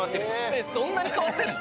そんなに変わってんの？